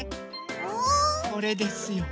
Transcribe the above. これですよ。